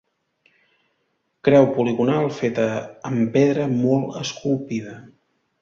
Creu poligonal feta amb pedra molt esculpida.